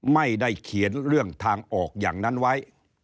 ไม่ได้เขียนเรื่องทางออกอย่างนั้นไว้